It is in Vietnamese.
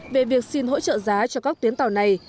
về việc xin hỗ trợ giá cho các tuyến tàu này